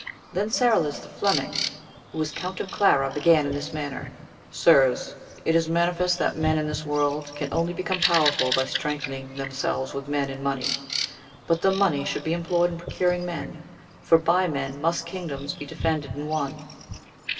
Then Serolys the Fleming, who was Count of Clara, began in this manner : Sirs, it is manifest that men in this world can only become powerful by strengthening themselves with men and money; but the money should be employed in procuring men, for by men must kingdoms be defended and won.